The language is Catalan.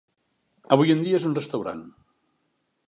Avui en dia és un restaurant.